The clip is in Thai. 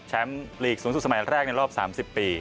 ลีกสูงสุดสมัยแรกในรอบ๓๐ปี